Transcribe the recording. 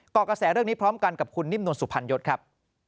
ก่อกระแสเรื่องนี้พร้อมกันกับคุณนิมนุนสุภัณฑ์ยศครับ